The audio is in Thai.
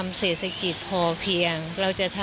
เรื่องเกษตรทฤษฎีใหม่และความพอเพียงของในหลวงรัชกาลที่๙